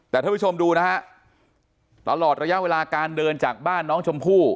แต่ท่านผู้ชมดูนะฮะตลอดระยะเวลาการเดินจากบ้านน้องชมพู่